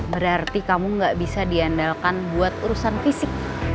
berarti kamu gak bisa diandalkan buat urusan fisik